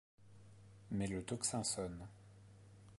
Mais le tocsin sonne.